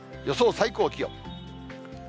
予想最高気温。